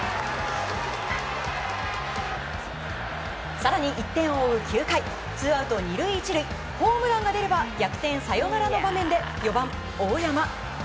更に１点を追う９回ツーアウト２塁１塁ホームランが出れば逆転サヨナラの場面で４番、大山。